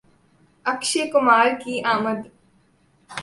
اکشے کمار کی آمد